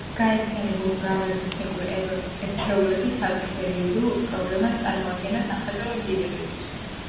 გაერთიანებული მრავალეთნიკური ერთეულები ცალკე სერიოზულ პრობლემას წარმოადგენდა სამხედრო ლიდერებისთვის.